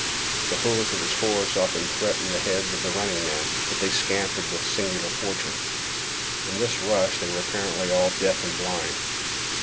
The hoofs of his horse often threatened the heads of the running men, but they scampered with singular fortune. In this rush they were apparently all deaf and blind.